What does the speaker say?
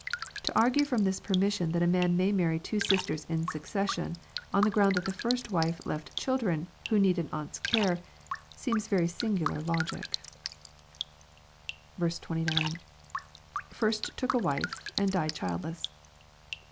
To argue from this permission that a man may marry two sisters in succession, on the ground that the first wife left children, who need an aunt's care, seems very singular logic I 29. — [First took a wife, and died chiMless!